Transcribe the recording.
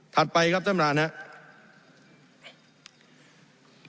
ถัดไปครับท่านประมาณนั้นครับ